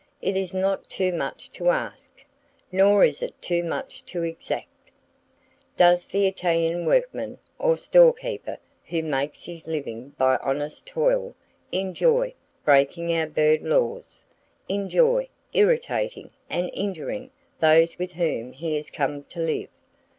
It is not too much to ask, nor is it too much to exact. Does the Italian workman, or store keeper who makes his living by honest toil enjoy breaking our bird laws, enjoy irritating and injuring those with whom he has come to live?